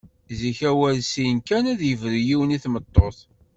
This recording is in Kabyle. Zik, awal sin kan ad yebru yiwen i tmeṭṭut.